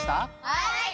はい！